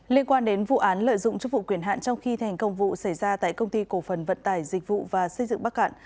liên quan đến vụ án lợi dụng chức vụ quyền hạn trong khi thành công vụ xảy ra tại công ty cổ phần vận tải dịch vụ và xây dựng bắc cạn